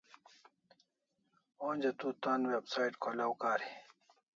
Onja tu tan website kholaw kari